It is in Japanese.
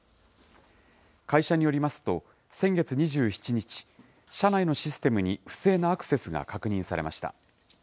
会社によりますと、先月２７日、社内のシステムに不正なアクセスが確認されました。